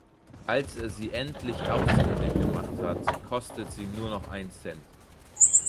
Als er sie endlich ausfindig gemacht hat, kostet sie nur noch einen Cent.